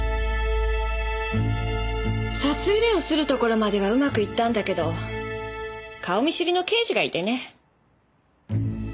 札入れを掏るところまではうまくいったんだけど顔見知りの刑事がいてね。